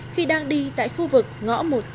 khi đang đi tại khu vực ngõ một trăm tám mươi